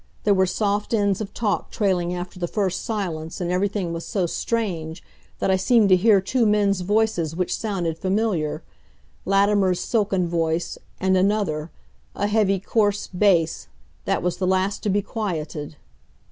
There were soft ends of talk trailing after the first silence, and everything was so strange that I seemed to hear two men's voices which sounded familiar Latimer's silken voice, and another, a heavy, coarse bass, that was the last to be quieted.